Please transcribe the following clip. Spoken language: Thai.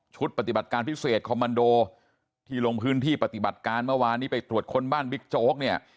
ปฏิบัติการพิเศษคอมมันโดที่ลงพื้นที่ปฏิบัติการเมื่อวานนี้ไปตรวจค้นบ้านบิ๊กโจ๊กเนี่ย